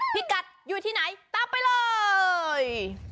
พี่กัดอยู่ที่ไหนตามไปเลย